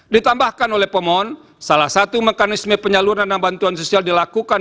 ditambahkan oleh pemohon salah satu mekanisme penyaluran dan bantuan sosial dilakukan